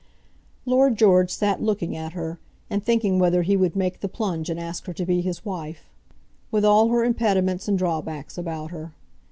Lord George sat looking at her, and thinking whether he would make the plunge and ask her to be his wife, with all her impediments and drawbacks about her.